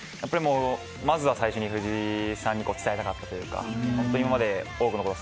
まずは最初に藤井さんに伝えたかったというか今までも多くのところで